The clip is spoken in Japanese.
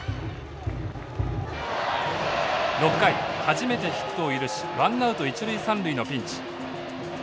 ６回初めてヒットを許しワンナウト一塁三塁のピンチ。